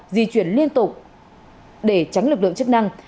di chuyển liên tục để tránh lực lượng chức năng